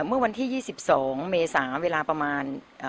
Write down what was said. เมื่อวันที่ยี่สิบสองเมษาเวลาประมาณเอ่อ